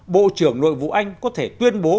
bộ trưởng nội vụ anh có thể tuyên bố